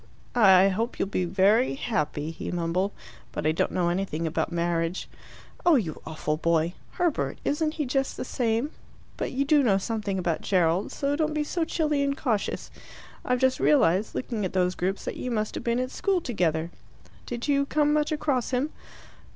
"I hope you'll be very happy," he mumbled. "But I don't know anything about marriage." "Oh, you awful boy! Herbert, isn't he just the same? But you do know something about Gerald, so don't be so chilly and cautious. I've just realized, looking at those groups, that you must have been at school together. Did you come much across him?"